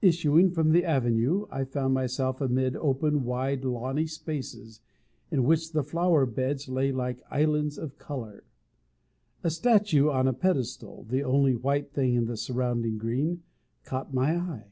Issuing from the avenue, I found myself amid open, wide, lawny spaces, in which the flower beds lay like islands of colour. A statue on a pedestal, the only white thing in the surrounding green, caught my eye.